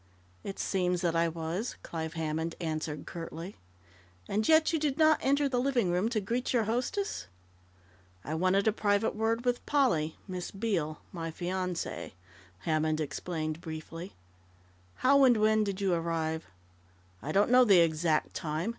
"It seems that I was!" Clive Hammond answered curtly. "And yet you did not enter the living room to greet your hostess?" "I wanted a private word with Polly Miss Beale my fiancée," Hammond explained briefly. "How and when did you arrive?" "I don't know the exact time.